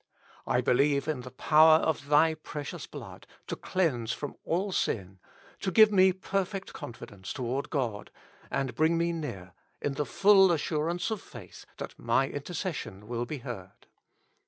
I believe in the Power of Thy Precious Blood to clease from all sin, to give me perfect confidence toward God, and bring me near in the full assurance of faith that my intercession will be heard.